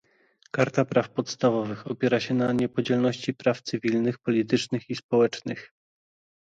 Karta praw podstawowych opiera się na niepodzielności praw cywilnych, politycznych i społecznych